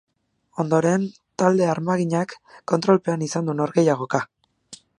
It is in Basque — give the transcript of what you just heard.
Ondoren, talde armaginak kontrolpean izan du norgehiagoka.